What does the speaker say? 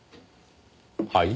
はい？